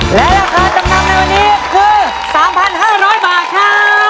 และราคาจำนำในวันนี้คือสามพันห้าห้าร้อยบาทครับ